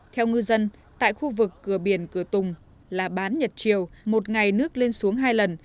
theo ngư dân tại khu vực cửa biển cửa tùng là bán nhật triều một ngày nước lên xuống hai lần